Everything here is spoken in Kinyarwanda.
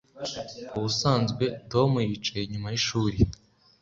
Ubusanzwe Tom yicaye inyuma yishuri